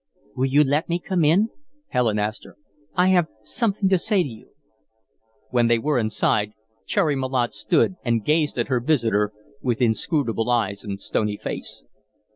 "Will you let me come in?" Helen asked her. "I have something to say to you." When they were inside, Cherry Malotte stood and gazed at her visitor with inscrutable eyes and stony face.